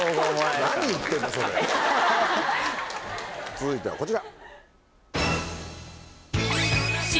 続いてはこちら。